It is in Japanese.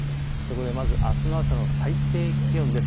あすの朝の最低気温です。